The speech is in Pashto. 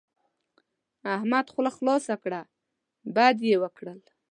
احمد خوله خلاصه کړه؛ بد يې وکړل.